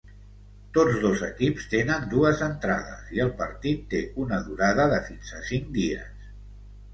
Tots dos equips tenen dues entrades, i el partit té una durada de fins a cinc dies.